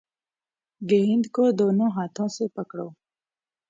گیند کو دونوں ہاتھوں سے پکڑو